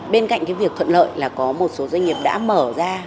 bên cạnh cái việc thuận lợi là có một số doanh nghiệp đã mở ra